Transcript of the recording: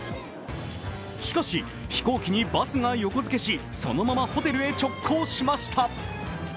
しかし、飛行機にバスが横付けしそのままホテルへ直行しました。